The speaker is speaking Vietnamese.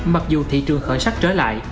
mặc dù thị trường khởi sắc trở lại